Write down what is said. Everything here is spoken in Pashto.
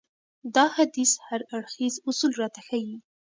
دا حديث هر اړخيز اصول راته ښيي.